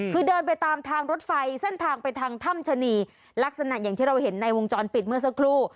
คือเดินไปตามทางรถไฟเส้นทางไปทางถ้ำชะนีลักษณะอย่างที่เราเห็นในวงจรปิดเมื่อสักครู่